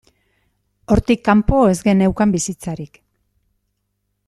Hortik kanpo, ez geneukan bizitzarik.